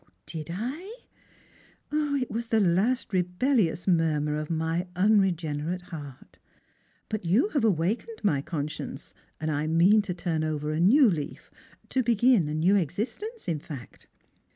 " Did I ? It was the last rebellious murmur of my unre generate heart. But you have awakened my conscience, and I mean to turn over a new leaf, to begin a new existence in fact.